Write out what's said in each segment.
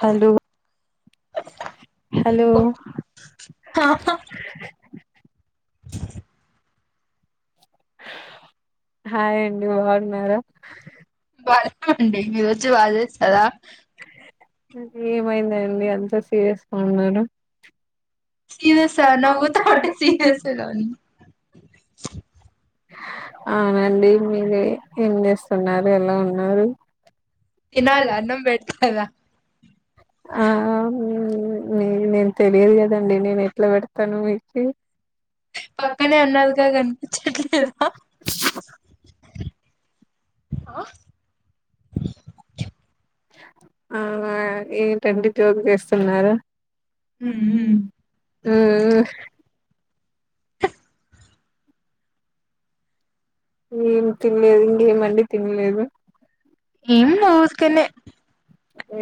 Hello hello hi అండి మా బాగున్నారా బాగున్నామండి మీరు వచ్చి వాజేస్తారా ఆహా ఏమైందండి అంత సీరియస్ గా ఉన్నారు సీరియస్సా నవ్వుతా ఉంటే సీరియస్సా గా ఉన్ అవునండి మీరు ఏం చేస్తున్నారు ఎలా ఉన్నారు తినాలా అన్నం పెడతారా ఆ అమ్ మీకు నేను తెలియదు కదండి నేను ఎట్లా పెడతాను మీకి పక్కనే ఉన్నదిగా కనిపించట్లేదా ఆ ఆ ఏంటండి జోక్ చేస్తున్నారు ఊ ఉమ్ ఊ ఏం తినలేదండి ఏమండి తినలేదు ఏం లోస్కెనే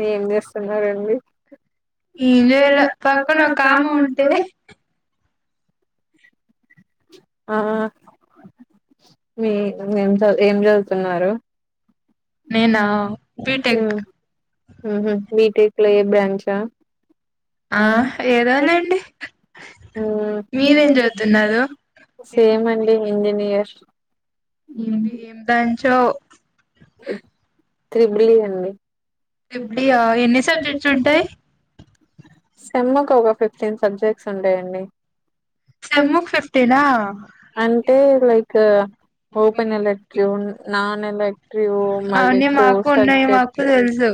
ఏం చేస్తున్నారండి. ఏంచేయలే పక్కన ఒక ఆమె ఉంటే ఆహ మీ నువ్ ఏం చదువ్ ఏం చదువుతున్నారు? నేనా ఉమ్ బీటెక్ ఊహు బీటెక్ లో ఏ బ్రాంచా ఆ ఏదోలేండి. మీరేం చదువుతున్నారు సేమ్ అండి ఇంజనీయర్ [inaudible] ఎం బి ఏం బ్యాంచో త్రిబిలి అండి. త్రిబిలి ఆ ఎన్ని సబ్జెక్ట్స్ ఉంటయ్? సెమ్ముకు ఒక ఫిఫ్టీన్ సబ్జెక్ట్స్ ఉంటయండి. సెమ్ కి ఫిఫ్టీనా అంటే like open elective, non elective, మళ్ళీ అవన్నీ కోర్ మాకు ఉన్నాయి మాకు సబ్జెక్ట్. తెలుసు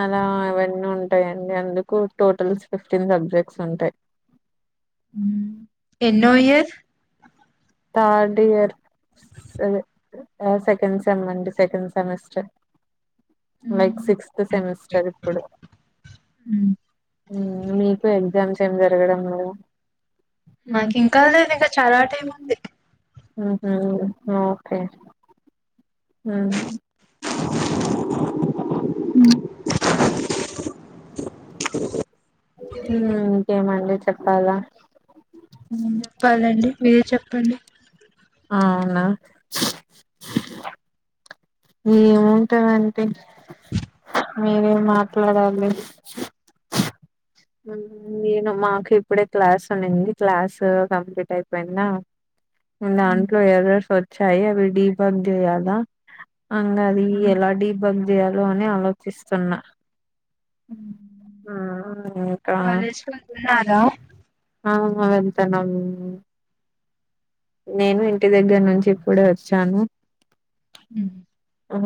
అలా ఇవన్ ఉంటయండి అందుకు టోటల్ ఫిఫ్టీన్ సబ్జెక్ట్స్ ఉంటయ్. ఉమ్ ఎన్నో ఇయర్ [unintelligible] థర్డ్ ఇయర్, సరే ఆ సెకండ్ సెమ్ అండి, second semester. Like sixth semester ఇప్పుడు, ఉమ్. ఉమ్ మీకు ఎగ్జామ్స్? ఏం జరగడం లేదా? మాకు ఇంకా లేదు ఇంకా చాలా టైం ఉంది ఆహా ఓ ఫే ఉమ్ ఉమ్ ఉమ్ ఇంకేమండి చెప్పాల చెప్పాలండి మీరే చెప్పండి. అవునా ఏం ఉంటవండి మీరే మాట్లాడాలి. నేను మాకు ఇప్పుడే క్లాస్ ఉన్నింది క్లాస్ కంప్లీట్ అయిపోయిందా, దాంట్లో ఎర్రర్స్ వచ్చాయి అవి డీ బగ్ చేయాలా, అంగది ఎలా డీ బగ్ చేయలో అని ఆలోచిస్తున్నా. ఇంకా కాలేజ్కి వెళ్తున్నారా ఆహా వెళ్తున్నాం, నేను ఇంటి దగ్గర నుంచి ఇప్పుడే వచ్చాను. ఉమ్ అహ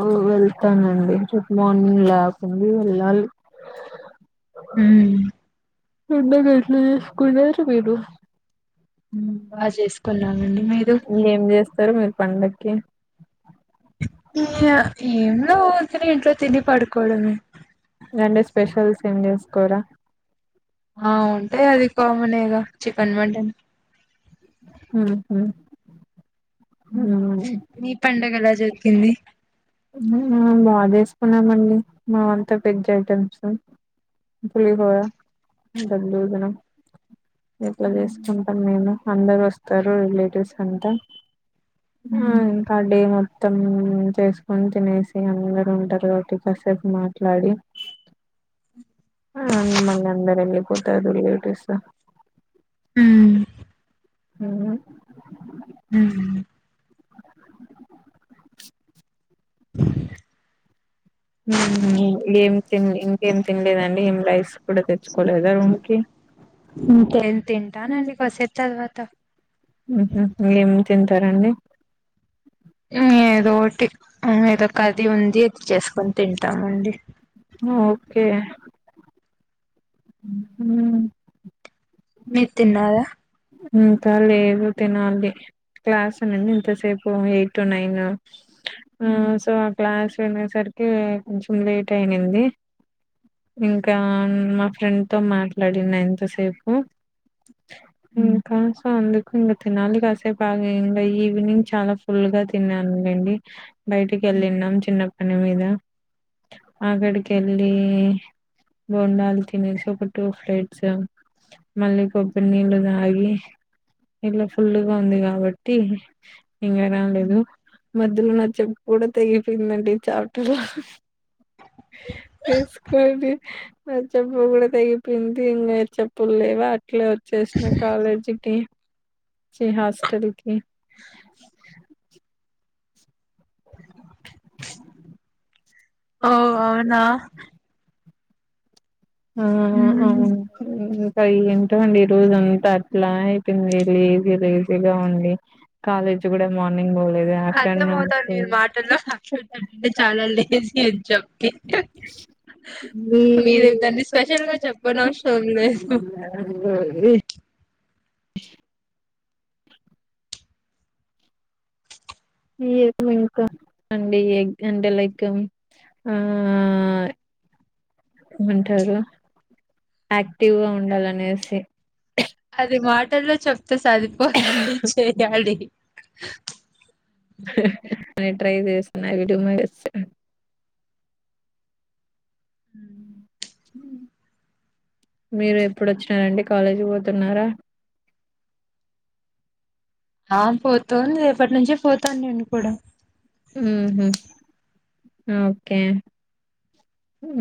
ఓ వెళ్తానండి జుడ్ మార్నింగ్ లేకుండా వెళ్ళాలి ఆ ఉమ్, రగాలు స్కూల్ పేలు బాగా చేసుకున్నామండి మీరు ఏం చేస్తారు మీరు పండకి ఏం ఉ తిన ఇంట్లో తిని పడుకోడమ అంటే స్పెషల్స్ ఏం చేస్తా కూడారా ఆ ఉంటాయి అది కామన్ద చికెన్ మటన్ ఆ మీ పండుగ ఎలా జరిగింది బాగా చేసుకున్నామండి మామంతా వెజ్ ఐటమ్స్ పులిహోర గలదన ఇట్లా చేసుకుంటాం మేము అందరు వస్తారు రిలేటివ్స్ అంతా ఇంకా డే మొత్తం చేసుకు కొ తినేసి అందరూ ఉంటారు కాబట్టి కాసేపు మాట్లాడి ఆ మళ్ళీ అందరు వెళ్ళిపోతారు రిలేటివ్స్ ఉమ్ అ ఏం తి ఇంకేం తినలేదండి ఏం లైస్ కూడా తెచ్చుకోలేదా రూమ్ కి ేను తింటానండి కోసే తర్వాత సారండి హు ఏదో ఒకటి ఏదో ఒక కది ఉంది అది చేసుకొని తింటామండి ఓకే మీరు తిన్నారా అ ఇంకా లేదు తినాలి క్లాస్ ఉన్నింది ఇంతసేపు ఎయిట్ టు నైన్ ఆ ఉమ్. సో క్లాస్ తినేసరికి కొంచెం లేట్ అయింది ఇంకా మా ఫ్రెండ్ తో మాట్లాడినా ఇంతసేపు ఇంకా సో అందుకు ఇంకా తినాలి కాసేపు ఆ ఇంకా ఈవినింగ్ చాలా ఫుల్ గా తిన్నాను లేండి బయటికి వెళ్ళన్నాం చిన్న పని మీద అక్కడికి వెళ్ళి బోండాలు తినేసి ఒక టూ ప్లేట్స్ మళ్ళీ కొబ్బరి నీళ్ళు తాగి ఇలా ఫుల్ గా ఉంది కాబట్టి ఇంకా రాలేదు మధ్యలో నా చెప్పు కూడా తెగిపోయిందండి చాటలో వేసుకొని చెప్పు కూడా తెగిపోయింది ఇంకా చెప్పులు లేవా అట్లే వచ్చేసిన కాలేజీకి వచ్చే హాస్టల్ కి ఓ అవునా ఉమ్ హ ఏంటో అండి ఈ రోజు అంతా అట్లా అయిపోంది లేలీజీ లేజీగా ఉండి కాలేజ్ కూడా మార్నింగ్ పోలేదు ఆఫ్టర్నూన్ అర్థంమవుతాఉంది మీరు స్కూల్ మాటల్లో మాట్లాడతాడంటే చాలా లేజీ అని చెప్పి మీరే దన్ని స్పెషల్ గా చెప్పన అవసరం లేదు ఇంకా అండి ఎగ్ అంటే లైక్ ఆ ఏమంటారు యాక్టివ్ ఉండాలనేసి అది మాటల్లో చెప్తే సరిపోదండి చేయాలి ట్రై చేసన అడుమాస్ మీరు ఎప్పుడు వచ్చినారండి కాలేజీ పోతున్నారా ఆ పోతోంది రేపటి నుంచి పోతాను నేను కూడా హుహు ఓకే హు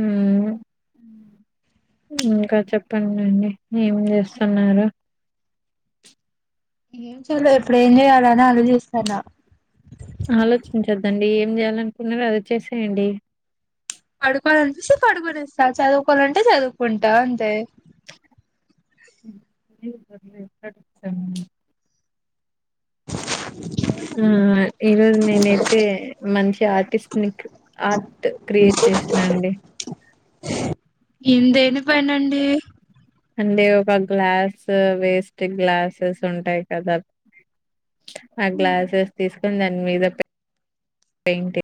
ఇంకా చెప్పండి ఏమి చేస్తున్నారు ఏం ఇప్పుడ ఏం చేయాల ఆలోచిస్తానా అదండి ఏం చేయాలనుకున్నారో అదే చేసేయండి పడుకోవాలినిపిస్తే పడుకొనిస్తా చదువుకోవాలంటే చదువుకో కుంటా అంతె [unintelligible] ఆ ఈరోజు నేనైతే మంచి ఆర్టిస్ట్ ని ఆర్ట్ క్రియేట్ చేసిన అండి ఇందేని పనండి అంటే ఒక గ్లాస్ వేస్ట్ గ్లాసెస్ ఉంటాయి. కదా ఆ గ్లాసెస్ తీసుకుని దాని మీద పెయింటింగ్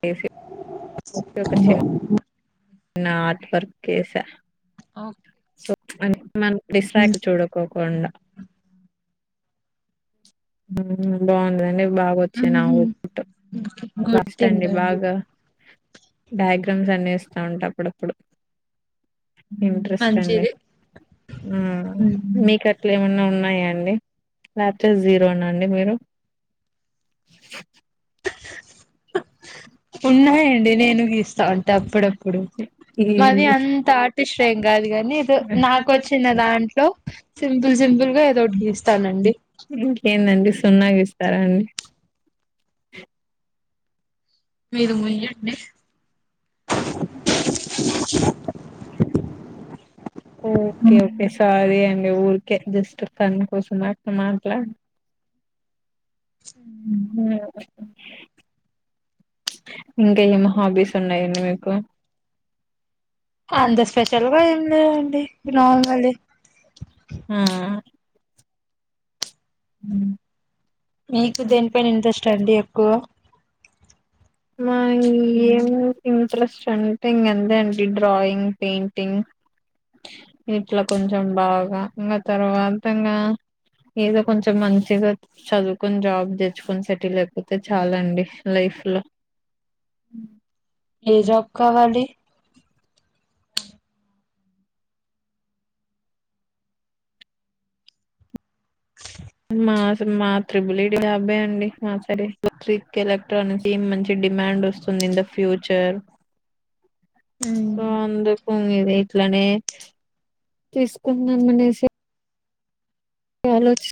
వేసి అ [unintelligible] నాట్వర్క్ వేస ఆ అన్ మనం డిస్రాక్ చూడుకోకుండా బాగుందండి బాగా వచ్చాయి నా ఔట్పుట్ గుడ్ కాస్ట్ థింగ్ అండి బాగా డయాగ్రామ్స్ అనే ఉంటా అప్పుడప్పుడు ఇంట్రెస్ట్ అండి మంచిది ఆ మీకు అట్లా ఏమన్నా ఉన్నాయండి లేీ ఇంట్లోన్నా అండి మీరు ఉన్నాయండీ నేను గీస్త అంటే అప్పుడప్పుడు ఈ మాది అంత ఆర్టిస్ట్ రే గాదు కాని ఏదో నాకు వచ్చిన దాంట్లో సింపుల్ సింపుల్ గా ఏదోకటి గీస్తానండి ఇంకేందండి సున్నా [inaudible] మీరు ముయండి ఓకే ఓకే సారీ అండి ఊరికే జస్ట్ ఫన్ కోసం అట్ మాట్లాడ ఇంకా ఏమి హాబీస్ ఉన్నాయండి మీకు అంత స్పెషల్ గా ఏం లేదండి నార్మలే ఆ మీకు దేనిపైన ఇంట్రెస్ట్ అండి ఎక్కువ మా ఏం ఇంట్రెస్ట్ అంటే ఇకా ఎంతే అండి డ్రాయింగ్ పెయింటింగ్ ఇట్లా కొంచెం బాగా ఇంకా తర్వాత ఇంకా ఏదో కొంచెం మంచిగా చదువుకొని జాబ్ తెచ్చుకొని సెటిల్ అయిపోతే చాలా అండి లైఫ్ లో ఏ జాబ్ కావాలి మా మా త్రిబుల్ ఐడి జాబే అండి మా సరీకి ఎలక్ట్రానిక్స్ ఏ మంచి డిమాండ్ వస్తుంది ఇన్ ద ఫ్యూచర్ సో అందుకు ఇది ఇట్లానే తీసుకుంటున్నాం అనేసి ఆలోచి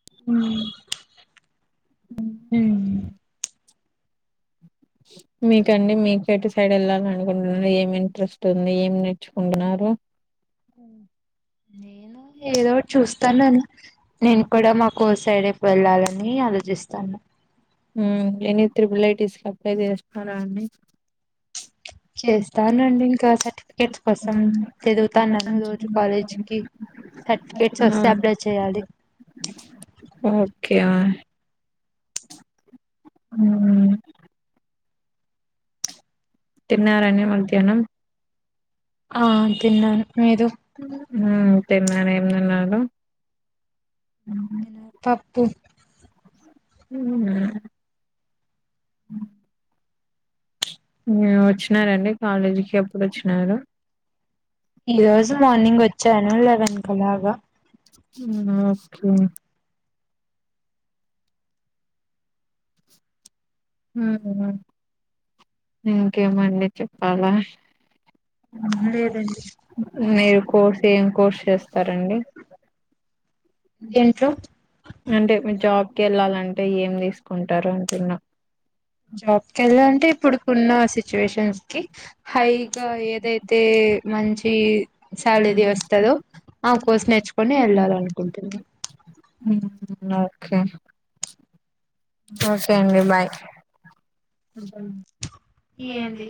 మ్ మీకండి మీక ఎటు సైడ్ వెళ్ళాల అనుకుంటున్నారు. ఏం ఇంట్రెస్ట్ ఉంది ఏం నేర్చుకుంటున్నారు. నేను ఏదోటి చూస్తానను నేను కూడా మాకు సైడ్ ఎప్పుడేళ్ళాలని ఆలోచిస్తాను హు ఎని త్రిపుల్ ఐటీస్కి అప్లై చేస్నారా అండి చేస్తానండి ఇంకా సర్టిఫికేట్స్ కోసం తిరుగుతున్నాము రోజు కాలేజ్కి సర్టిఫికెట్స్ వస్తే అప్లై చేయాలి ఓకే ఉ తిన్నారండి మధ్యాహ్నం ఆ తిన్నాను మీరు హమ్ ఉహు పప్పు హ్మ్మ్ వచ్చినారండి కాలేజీకి ఎప్పుడు వచ్చినారు ఈ రోజు మార్నింగ్ వచ్చాను లెవెన్ కలాగా ఓకే హ్మ్మ్ ఇంకేమండి చెప్పాలా హ్మ్మ్ లేదండి మీరు కోర్సెం కోర్స్ చేస్తారండి దేంట్లో అంటే మీ జాబ్ కెల్లా ఏం తీసుకుంటారు అంటున్నా జాబ్కి వెళ్ళాలంటే ఇప్పుడుకున్న సిచ్యువేషన్స్ కి హైగా ఏదైతే మంచి సాలరీ వస్తదో ఆ కోర్స్ నేర్చుకుని వెళ్ళాల అనుకుంట హు నే ఒకే ఓకే అండి బాయ్ ఏంది